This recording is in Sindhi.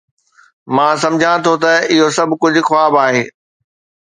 مان سمجهان ٿو ته اهو سڀ ڪجهه خواب آهي